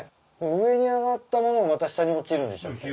上に上がったものがまた下に落ちるんでしたっけ？